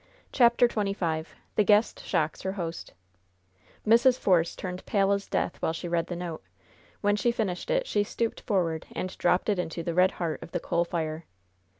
CHAPTER XXV THE GUEST SHOCKS HER HOST Mrs. Force turned pale as death while she read the note. When she finished it, she stooped forward and dropped it into the red heart of the coal fire.